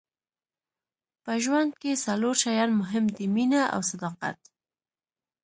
په ژوند کې څلور شیان مهم دي مینه او صداقت.